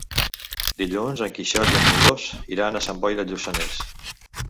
Dilluns en Quixot i en Milos iran a Sant Boi de Lluçanès.